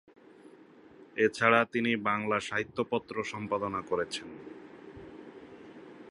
এছাড়া তিনি "বাঙলা সাহিত্য পত্র" সম্পাদনা করেছেন।